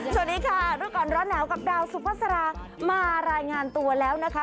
สวัสดีค่ะรู้ก่อนร้อนหนาวกับดาวสุภาษามารายงานตัวแล้วนะคะ